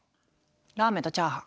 ラーメンとチャーハン。